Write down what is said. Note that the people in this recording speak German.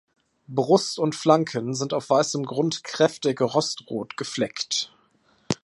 Brust und Flanken sind auf weißem Grund kräftig rostrot gefleckt.